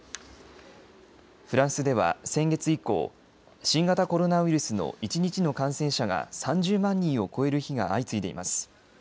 フランスでは先月以降、新型コロナウイルスの一日の感染者が３０万人を超える日が相次いでいます。